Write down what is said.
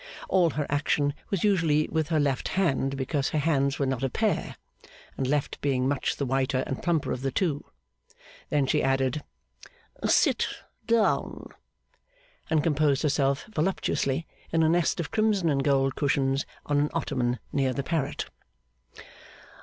All her action was usually with her left hand because her hands were not a pair; and left being much the whiter and plumper of the two. Then she added: 'Sit down,' and composed herself voluptuously, in a nest of crimson and gold cushions, on an ottoman near the parrot.